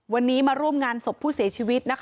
วันนี้มาร่วมงานศพผู้เสียชีวิตนะคะ